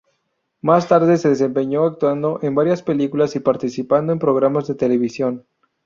Más tarde se desempeñó actuando en varias películas y participando en programas de televisión.